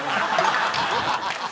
ハハハハ！